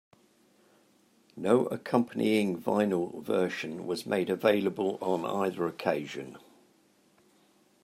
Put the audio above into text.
No accompanying vinyl version was made available on either occasion.